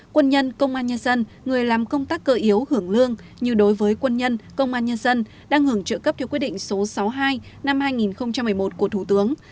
quân nhân công an nhân dân người làm công tác cơ yếu hưởng lương như đối với quân nhân công an nhân dân đang hưởng trợ cấp theo quyết định số sáu mươi hai năm hai nghìn một mươi một của thủ tướng